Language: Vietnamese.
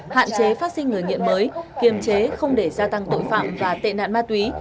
hạn chế phát sinh người nghiện mới kiềm chế không để gia tăng tội phạm và tệ nạn ma túy